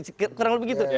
sekarang lebih begitu